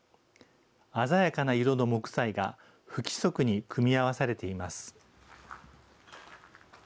鮮やかな色の木材が不規則に組み合わされています。